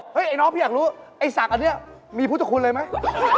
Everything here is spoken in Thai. ไอ้น้องพี่อยากรู้ไอ้ศักดิ์อันนี้มีพุทธคุณเลยไหม